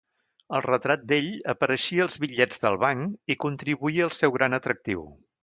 El retrat d'ell apareixia als bitllets del banc i contribuïa al seu gran atractiu.